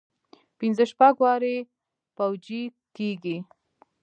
پنځه شپږ وارې پوجي کېږي.